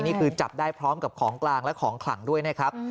นี่คือจับได้พร้อมกับของกลางและของขลังด้วยนะครับ